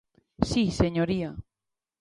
Si, señoría.